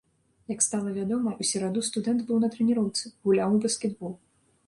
Як стала вядома, у сераду студэнт быў на трэніроўцы, гуляў у баскетбол.